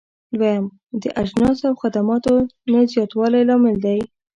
دويم: د اجناسو او خدماتو نه زیاتوالی لامل دی.